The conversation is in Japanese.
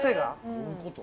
どういうこと？